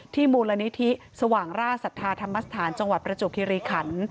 มูลนิธิสว่างราชศรัทธาธรรมสถานจังหวัดประจวบคิริขัน